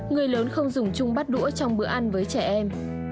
người lớn không dùng chung bát đũa trong bữa ăn với trẻ em